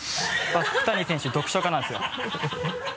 福谷選手読書家なんですよ。